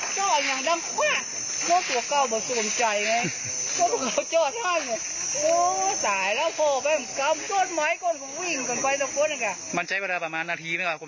เจ้าของรถมาซื้อพักคงจะเป็นคนเสียเขียวนะครับ